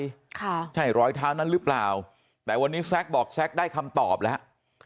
ค่ะใช่รอยเท้านั้นหรือเปล่าแต่วันนี้แซ็กบอกแซ็กได้คำตอบแล้ว